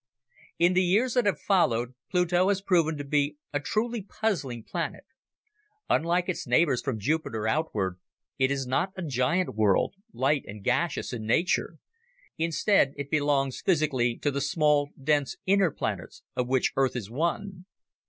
In the years that have followed, Pluto has proven to be a truly puzzling planet. Unlike its neighbors from Jupiter outward, it is not a giant world, light and gaseous in nature. Instead, it belongs physically to the small, dense inner planets of which Earth is one.